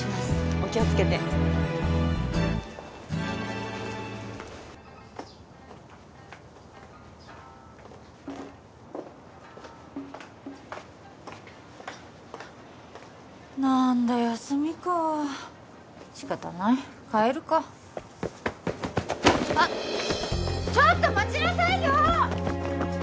お気をつけてなんだ休みか仕方ない帰るかあっちょっと待ちなさいよ！